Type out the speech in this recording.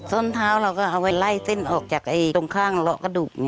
้นเท้าเราก็เอาไว้ไล่เส้นออกจากตรงข้างเลาะกระดูก